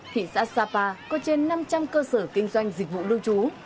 thị xã sapa có trên năm trăm linh cơ sở kinh doanh dịch vụ lưu trú